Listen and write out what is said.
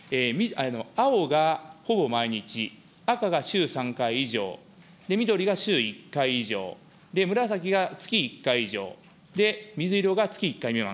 青がほぼ毎日、赤が週３回以上、緑が週１回以上、紫が月１回以上、で、水色が月１回未満。